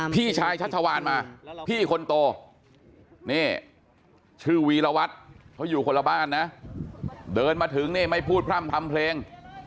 พี่ชายชัชวานมาพี่คนโตนี่ชื่อวีรวัตรเขาอยู่คนละบ้านนะเดินมาถึงนี่ไม่พูดพร่ำทำเพลง